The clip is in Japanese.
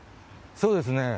そうですね。